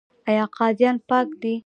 آیا قاضیان پاک دي؟